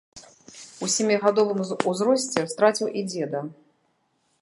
У сямігадовым узросце страціў і дзеда.